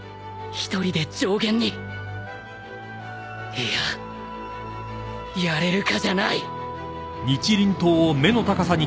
いややれるかじゃない！